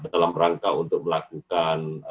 dalam rangka untuk melakukan